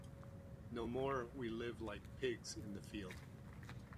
No more we live like pigs in the field.